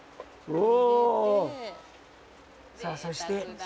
さあそして。